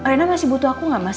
rena masih butuh aku nggak mas